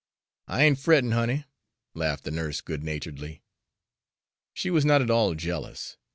"I ain't frettin', honey," laughed the nurse good naturedly. She was not at all jealous.